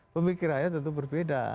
pemikirannya tentu berbeda